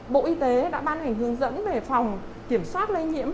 bộ y tế đã ban hành hướng dẫn về phòng kiểm soát lây nhiễm